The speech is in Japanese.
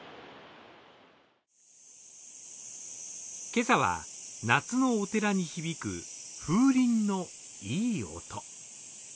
今朝は夏のお寺に響く風鈴のいい音。